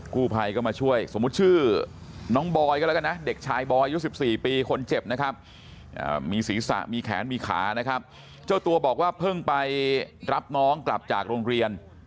กู้ภัยก็มาช่วยสมมุติชื่อน้องบอยก็แล้วกันนะเด็กชายบอยอายุ๑๔ปีคนเจ็บนะครับมีศีรษะมีแขนมีขานะครับเจ้าตัวบอกว่าเพิ่งไปรับน้องกลับจากโรงเรียน